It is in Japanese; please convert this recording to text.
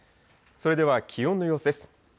それでは気温の様子です。